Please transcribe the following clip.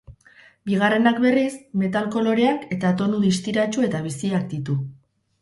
Bigarrenak, berriz, metal koloreak eta tonu distiratsu eta biziak ditu.